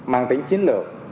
mang tính chiến lược